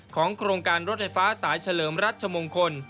โครงการรถไฟฟ้าสายเฉลิมรัชมงคล